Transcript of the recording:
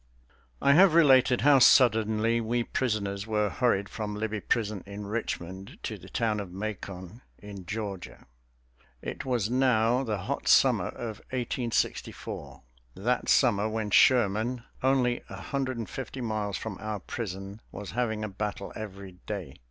I have related how suddenly we prisoners were hurried from Libby Prison in Richmond to the town of Macon in Georgia. It was now the hot summer of 1864, that summer when Sherman, only a hundred and fifty miles from our prison, was having a battle every day.